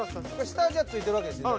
下味は付いてるわけですね。